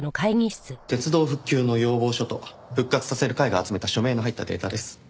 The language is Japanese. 鉄道復旧の要望書と復活させる会が集めた署名の入ったデータです。